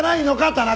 田中！